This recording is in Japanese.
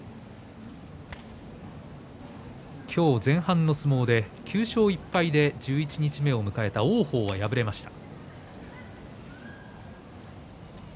今日、前半の相撲で９勝１敗で十一日目を迎えた王鵬は敗れました。